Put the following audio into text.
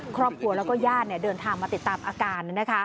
ครอบครัวแล้วก็ญาติเดินทางมาติดตามอาการ